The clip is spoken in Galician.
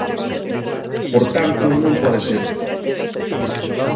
Por tanto, non pode ser.